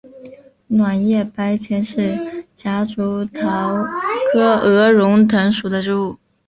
卵叶白前是夹竹桃科鹅绒藤属的植物。